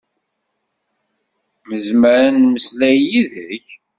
Nezmer ad nemmeslay yid-k?